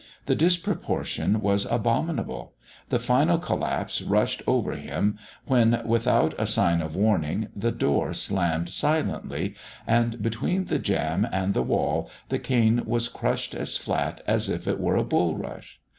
The disproportion was abominable. The final collapse rushed over him when, without a sign of warning, the door slammed silently, and between the jamb and the wall the cane was crushed as flat as if it were a bulrush.